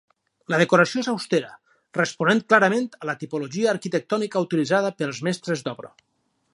La decoració és austera, responent clarament a la tipologia arquitectònica utilitzada pels mestres d'obra.